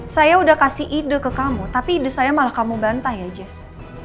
saya udah kasih ide ke kamu tapi ide saya malah kamu bantah ya jas